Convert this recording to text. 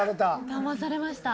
だまされました。